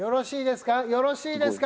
よろしいですか？